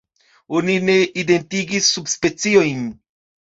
Oni ne identigis subspeciojn.